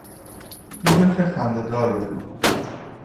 یه جوک خنده دار بگو